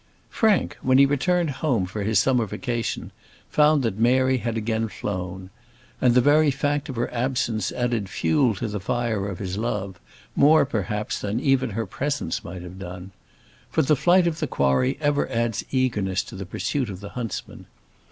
Frank, when he returned home for his summer vacation, found that Mary had again flown; and the very fact of her absence added fuel to the fire of his love, more perhaps than even her presence might have done. For the flight of the quarry ever adds eagerness to the pursuit of the huntsman.